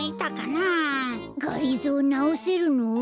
がりぞーなおせるの？